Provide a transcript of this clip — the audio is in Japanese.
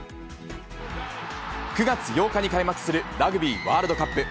９月８日に開幕するラグビーワールドカップ。